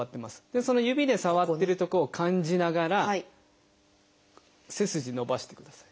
その指で触ってるとこを感じながら背筋伸ばしてください。